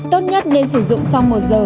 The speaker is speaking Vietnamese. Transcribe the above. tốt nhất nên sử dụng sau một giờ